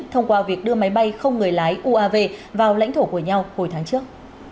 thông qua việc đưa máy bay không người lái uav vào lãnh thổ của nhau hồi tháng trước